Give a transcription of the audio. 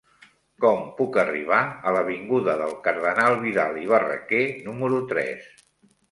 Com puc arribar a l'avinguda del Cardenal Vidal i Barraquer número tres?